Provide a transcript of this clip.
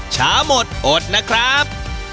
ช้าหมดอดนะครับ